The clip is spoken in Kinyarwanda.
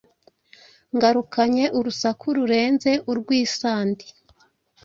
Ngarukanye urusaku rurenze urw'isandi